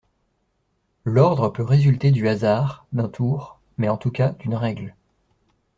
L'ordre peut résulter du hasard, d'un tour, mais en tous cas d'une règle.